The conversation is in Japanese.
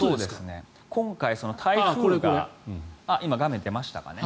今回、台風が今、画面出ましたかね。